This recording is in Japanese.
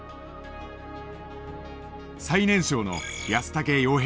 最年少の安竹洋平さん。